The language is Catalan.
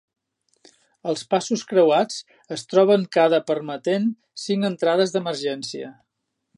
Els passos creuats es troben cada permetent cinc entrades d'emergència.